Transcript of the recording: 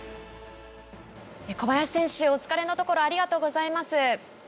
小林選手、お疲れのところありがとうございます。